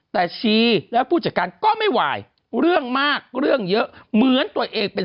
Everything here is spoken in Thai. แต่ชีแล้วผู้จัดการก็ไม่ไหวเรื่องมากเรื่องเยอะเหมือนตัวเองเป็น